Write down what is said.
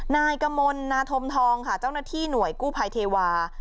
นายกมลนาธมทองค่ะเจ้าหน้าที่หน่วยกู้ภัยเทวา